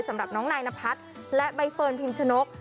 สำหรับน้องนายนพัฒน์และใบเฟิร์นพิมชนก